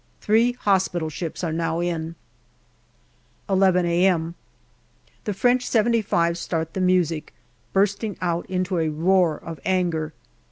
Three hospital ships are now in. 11 a.m. The French "75's " start the music, bursting out into a roar of anger.